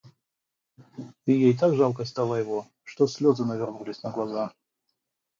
И ей так жалко стало его, что слезы навернулись на глаза.